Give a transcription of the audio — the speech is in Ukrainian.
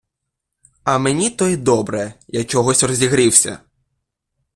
А мені то й добре, я чогось розігрівся.